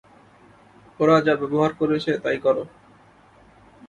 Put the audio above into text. ওরা যা ব্যবহার করেছে তাই করো।